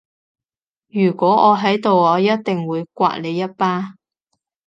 如果我喺度我一定會摑你一巴